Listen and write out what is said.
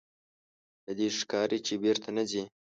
له دې ښکاري چې بېرته نه ځې.